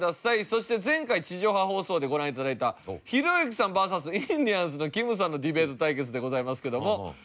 そして前回地上波放送でご覧頂いたひろゆきさんＶＳインディアンスのきむさんのディベート対決でございますけども。